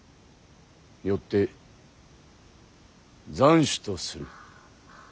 よって斬首とする。